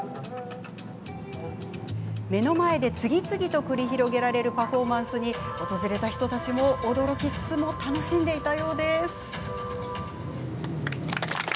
目の前で次々と繰り広げられるパフォーマンスに訪れた人たちも驚きつつも楽しんでいました。